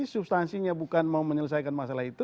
substansinya bukan mau menyelesaikan masalah itu